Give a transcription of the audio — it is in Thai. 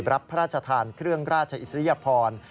พระราชทานเครื่องราชอิสริยพร